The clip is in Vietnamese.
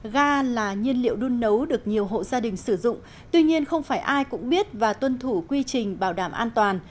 ga là nhiên liệu đun nấu được nhiều hộ gia đình sử dụng tuy nhiên không phải ai cũng biết và tuân thủ quy trình bảo đảm an toàn